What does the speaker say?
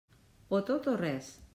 O tot o res.